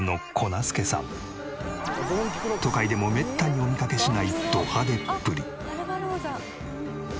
都会でもめったにお見かけしないド派手っぷり。